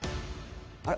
あれ？